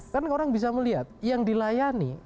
kan orang bisa melihat yang dilayani